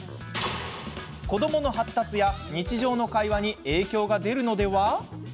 「子どもの発達や日常の会話に影響が出るのでは？」